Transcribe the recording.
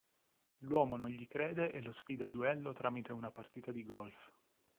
L'uomo non gli crede e lo sfida a duello tramite una partita di golf.